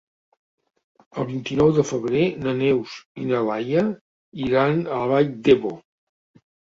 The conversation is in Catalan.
El vint-i-nou de febrer na Neus i na Laia iran a la Vall d'Ebo.